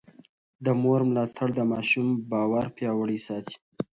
د مور ملاتړ د ماشوم باور پياوړی ساتي.